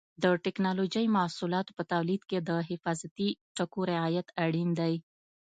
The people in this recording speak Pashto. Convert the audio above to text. د ټېکنالوجۍ محصولاتو په تولید کې د حفاظتي ټکو رعایت اړین دی.